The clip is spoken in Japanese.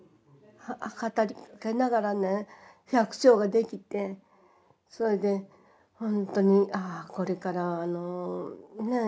語りかけながらね百姓ができてそれでほんとにああこれからあのねえ